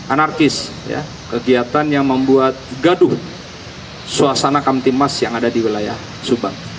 anarkis kegiatan yang membuat gaduh suasana kamtimas yang ada di wilayah subang